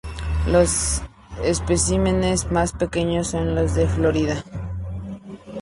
Los especímenes más pequeños son los de Florida.